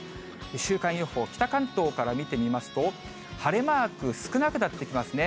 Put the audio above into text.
週間予報、北関東から見てみますと、晴れマーク、少なくなってきますね。